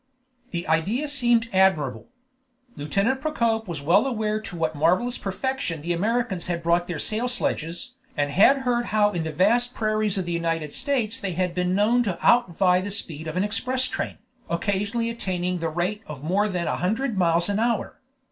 The idea seemed admirable. Lieutenant Procope was well aware to what marvelous perfection the Americans had brought their sail sledges, and had heard how in the vast prairies of the United States they had been known to outvie the speed of an express train, occasionally attaining a rate of more than a hundred miles an hour.